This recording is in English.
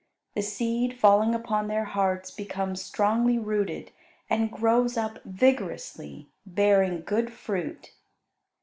The seed falling upon their hearts becomes strongly rooted and grows up vigorously, bearing good fruit.